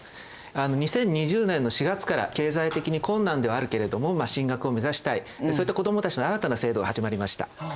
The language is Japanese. ２０２０年の４月から経済的に困難ではあるけれども進学を目指したいそういった子どもたちの新たな制度が始まりました。